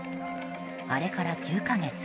あれから９か月。